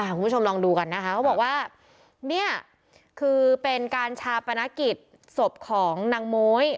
คุณผู้ชมลองดูกันนะคะเขาบอกว่าเนี่ยคือเป็นการชาปนกิจศพของนางโม๊ย